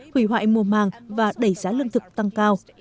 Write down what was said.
hủy hoại mùa màng và đẩy giá lương thực tăng cao